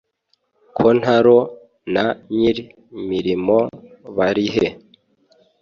kontaro na nyir imirimo barihe